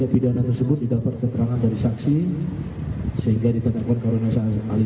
di dusun tiga parit minyak desa ekor si kecamatan eko kabupaten labuhan batu